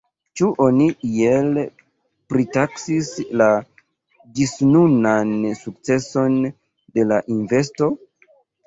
Ĉu oni iel pritaksis la ĝisnunan sukceson de la investo?